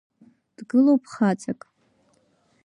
Дгылоуп хаҵак…